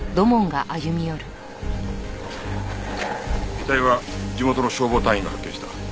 遺体は地元の消防隊員が発見した。